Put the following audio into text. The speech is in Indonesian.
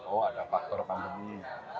oh ada faktor pandemi